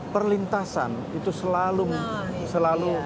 perlintasan itu selalu berlintasan